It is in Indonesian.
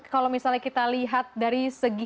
kalau misalnya kita lihat dari segi